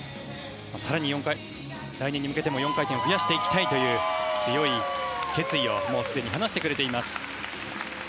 更に来年に向けても４回転を増やしていきたいという強い決意をもうすでに話してくれています。